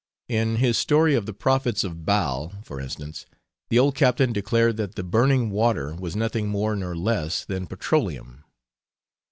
In his story of the prophets of Baal, for instance, the old captain declared that the burning water was nothing more nor less than petroleum.